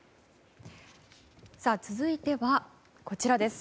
続いてはこちらです。